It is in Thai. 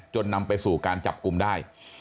นำไปสู่การจับกลุ่มได้